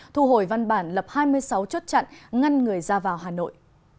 thu hồi văn bản lập hai mươi sáu chốt chặn ngăn người ra vào hà nội